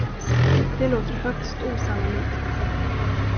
Det låter högst osannolikt!